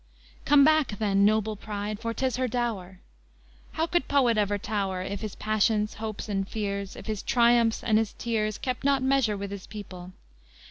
Come back, then, noble pride, for 't is her dower! How could poet ever tower, If his passions, hopes, and fears, If his triumphs and his tears, Kept not measure with his people?